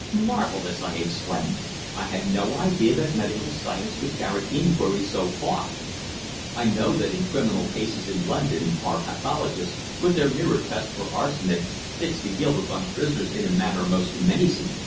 "Marvellous!" I exclaimed. "I had no idea that medical science could carry inquiries so far. I know that in criminal cases in London our pathologists, with their mirror tests for arsenic, fix the guilt upon poisoners in a manner most amazing.